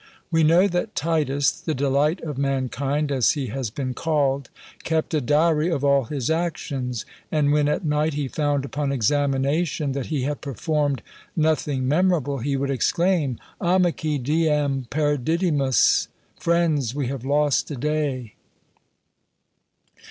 We know that Titus, the delight of mankind, as he has been called, kept a diary of all his actions, and when at night he found upon examination that he had performed nothing memorable, he would exclaim, "Amici! diem perdidimus!" Friends! we have lost a day!